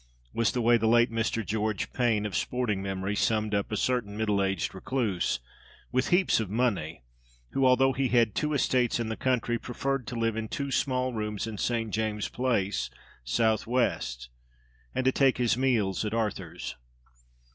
was the way the late Mr. George Payne of sporting memory, summed up a certain middle aged recluse, with heaps of money, who, although he had two estates in the country, preferred to live in two small rooms in St. James's Place, S.W., and to take his meals at "Arthur's."